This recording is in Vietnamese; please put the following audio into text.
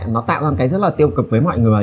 nó tạo ra một cái rất là tiêu cực với mọi người